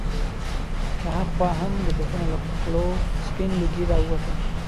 له هاخوا هم د توپونو له خولو سپين لوګي را ووتل.